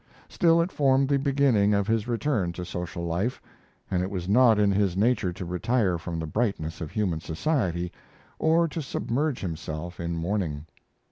Still, it formed the beginning of his return to social life, and it was not in his nature to retire from the brightness of human society, or to submerge himself in mourning.